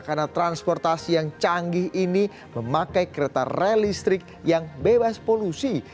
karena transportasi yang canggih ini memakai kereta rel listrik yang bebas polusi